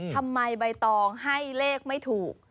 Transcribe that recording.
ทำไมใบตองให้เลขไม่ถูก